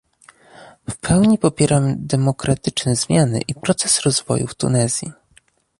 W pełni popieram demokratyczne zmiany i proces rozwoju w Tunezji